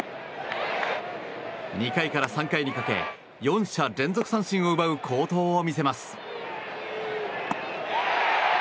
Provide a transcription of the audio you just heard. ２回から３回にかけ４者連続三振を奪う好投を見せます。